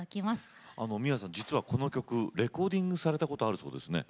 ｍｉｗａさん実はこの曲レコーディングされたことあるそうですね。